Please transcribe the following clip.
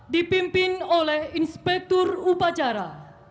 dipimpin oleh inspektur upacara